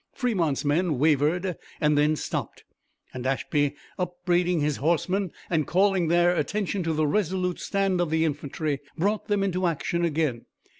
Fremont's men wavered and then stopped, and Ashby, upbraiding his horsemen and calling their attention to the resolute stand of the infantry, brought them into action again.